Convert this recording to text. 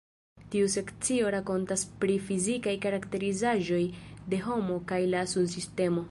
Tiu sekcio rakontas pri fizikaj karakterizaĵoj de homo kaj la Sunsistemo.